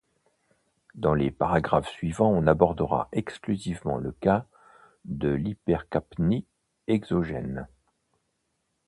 Dans les paragraphes suivants on abordera exclusivement le cas de l'hypercapnie exogène.